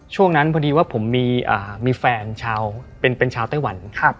ช่วงนั้นพอดีว่าผมมีแฟนเป็นชาวเต้าหวันครับ